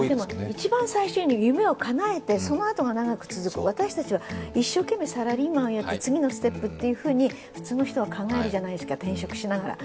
一番最初に夢をかなえてそのあとが長く続く、私たちは一生懸命サラリーマンをやって次のステップっていうふうに普通の人は考えるじゃないですか、転職しながら。